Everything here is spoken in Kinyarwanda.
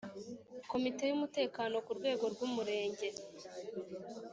Komite y umutekano ku rwego rw Umurenge